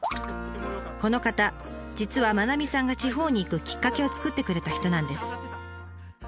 この方実は愛さんが地方に行くきっかけを作ってくれた人なんです。